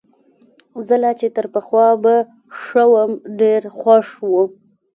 زه لا چي تر پخوا به ښه وم، ډېر خوښ وو.